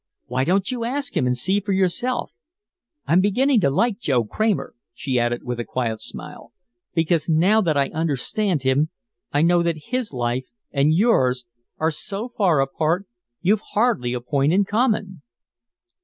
Why don't you ask him and see for yourself? I'm beginning to like Joe Kramer," she added with a quiet smile, "because now that I understand him I know that his life and yours are so far apart you've hardly a point in common."